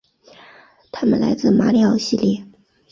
他们来自马里奥系列。